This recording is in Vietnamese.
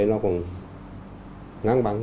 nó còn ngang bằng